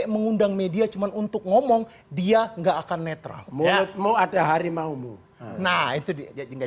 sampai mengundang media cuman untuk ngomong dia nggak akan netral mau ada hari maumu nah itu dia